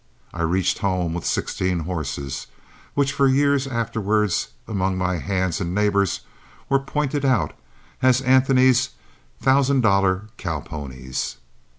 I reached home with sixteen horses, which for years afterwards, among my hands and neighbors, were pointed out as Anthony's thousand dollar cow ponies.